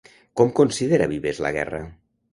Com considera Vives la guerra?